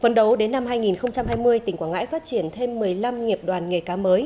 phần đầu đến năm hai nghìn hai mươi tỉnh quảng ngãi phát triển thêm một mươi năm nghiệp đoàn nghề cái mới